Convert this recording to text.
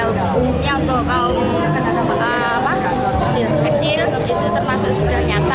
bukunya untuk kaum kecil itu termasuk sudah nyata